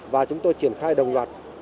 và chúng tôi chuyển khai đồng loạt